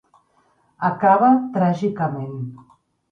Acaba tràgicament.